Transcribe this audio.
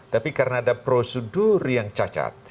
tapi karena ada prosedur yang cacat